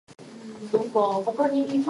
なぜそのようなことをするのですか